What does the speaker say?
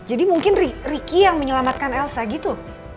jadi mungkin ricky yang menyelamatkan elsa gitu